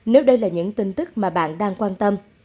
nếu đây là những tin tức mà bạn đang quan tâm